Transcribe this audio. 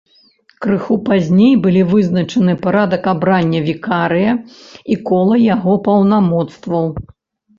Крыху пазней былі вызначаны парадак абрання вікарыя і кола яго паўнамоцтваў.